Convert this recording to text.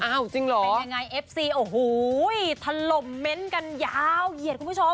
จริงเหรอเป็นยังไงเอฟซีโอ้โหถล่มเม้นต์กันยาวเหยียดคุณผู้ชม